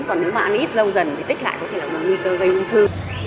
còn nếu mà ăn ít lâu dần thì tích lại có thể là một nguy cơ gây ung thư